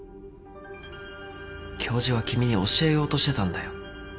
教授は君に教えようとしてたんだよ。